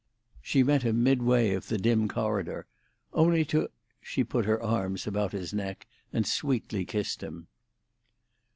She met him midway of the dim corridor. "Only to—" She put her arms about his neck and sweetly kissed him.